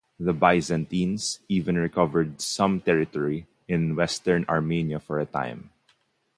The Byzantines even recovered some territory in western Armenia for a time.